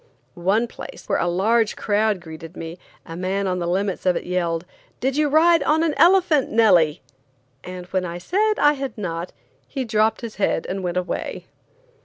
One place, where a large crowd greeted me, a man on the limits of it yelled: "Did you ride on an elephant, Nellie?" and when I said I had not, he dropped his head and went away.